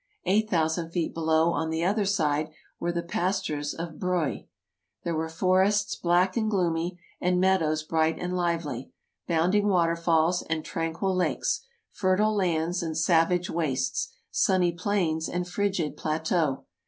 Eight thousand feet below, on the other side, were the pas tures of Breuil. There were forests black and gloomy, and meadows bright and lively; bounding waterfalls and tran quil lakes; fertile lands and savage wastes; sunny plains and frigid plateaux.